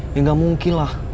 ya gak mungkin lah